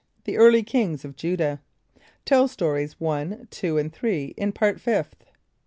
The Early Kings of Judah. (Tell Stories 1, 2 and 3 in Part Fifth.)